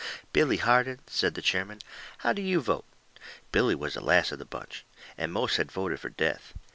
"Billy Harden," says the chairman, "how do you vote?" Billy was the last of the bunch. And most had voted fur death.